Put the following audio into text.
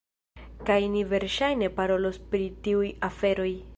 Kaj ni verŝajne parolos pri tiuj aferoj.